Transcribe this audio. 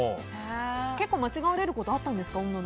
結構、間違えられることあったんですか？